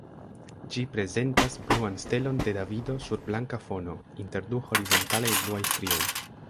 Ĝi prezentas bluan stelon de Davido sur blanka fono, inter du horizontalaj bluaj strioj.